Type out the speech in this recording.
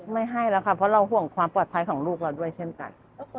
ไม่ให้แล้วค่ะเพราะเราห่วงความปลอดภัยของลูกเราด้วยเช่นกัน